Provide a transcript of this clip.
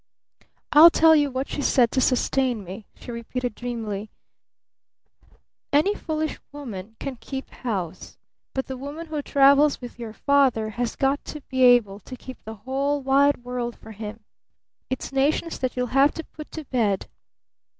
I'll tell you what she said to sustain me," she repeated dreamily, "'Any foolish woman can keep house, but the woman who travels with your father has got to be able to keep the whole wide world for him! It's nations that you'll have to put to bed!